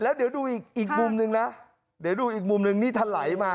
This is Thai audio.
แล้วเดี๋ยวดูอีกมุมนึงนะเดี๋ยวดูอีกมุมนึงนี่ถลายมา